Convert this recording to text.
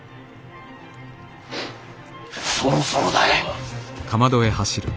そろそろだい。